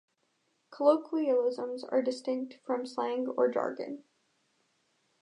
Colloquialisms are distinct from slang or jargon.